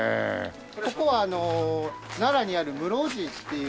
ここは奈良にある室生寺っていう。